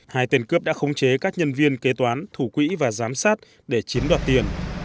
hai tên cướp đã khống chế các nhân viên kế toán thủ quỹ và giám sát để chiếm đoạt tiền